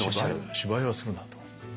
芝居はするなと。